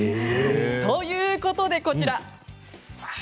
えぇ。ということでこちら。